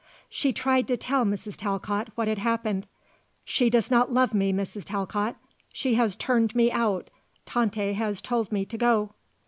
She tried to tell Mrs. Talcott what had happened. "She does not love me, Mrs. Talcott. She has turned me out. Tante has told me to go."